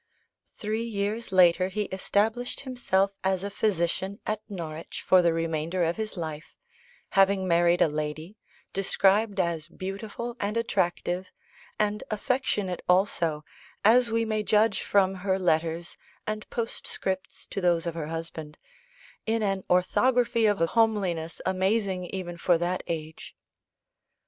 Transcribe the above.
Three years later he established himself as a physician at Norwich for the remainder of his life, having married a lady, described as beautiful and attractive, and affectionate also, as we may judge from her letters and postscripts to those of her husband, in an orthography of a homeliness amazing even for that age.